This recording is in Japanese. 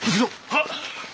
はっ！